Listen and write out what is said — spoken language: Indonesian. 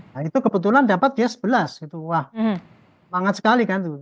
nah itu kebetulan dapat dia sebelas wah bangat sekali kan itu